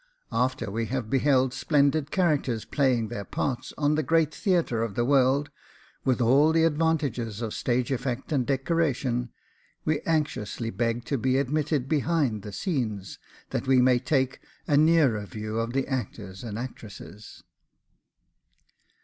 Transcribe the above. After we have beheld splendid characters playing their parts on the great theatre of the world, with all the advantages of stage effect and decoration, we anxiously beg to be admitted behind the scenes, that we may take a nearer view of the actors and actresses.